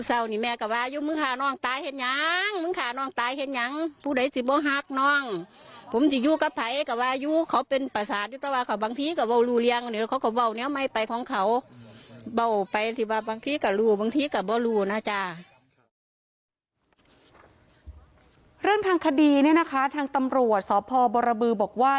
เรื่องทางคดีเนี่ยนะคะทางตำรวจสพบรบือบอกว่า